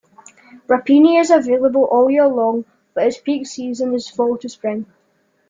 Rapini is available all year long, but its peak season is fall to spring.